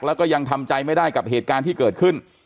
แล้วก็ยังทำใจไม่ได้กับเหตุการณ์ที่เกิดขึ้น